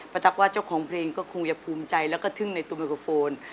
ทักว่าเจ้าของเพลงก็คงจะภูมิใจแล้วก็ทึ่งในตัวไมโครโฟน